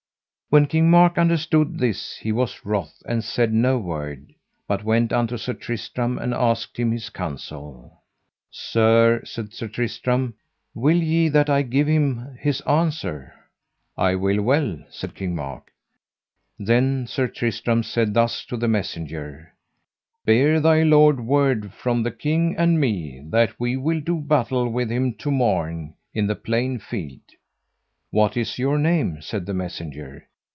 When King Mark understood this he was wroth and said no word, but went unto Sir Tristram and asked him his counsel. Sir, said Sir Tristram, will ye that I give him his answer? I will well, said King Mark. Then Sir Tristram said thus to the messenger: Bear thy lord word from the king and me, that we will do battle with him to morn in the plain field. What is your name? said the messenger.